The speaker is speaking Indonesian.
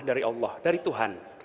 dari allah dari tuhan